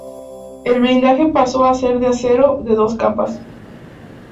El blindaje pasó a ser de acero de dos capas.